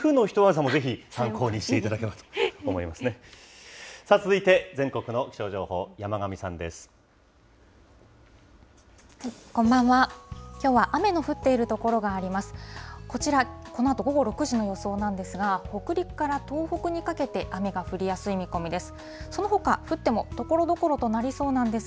こちらこのあと午後６時の予想なんですが、北陸から東北にかけて雨が降りやすい見込みです。